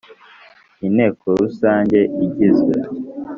inteko rusange igizwe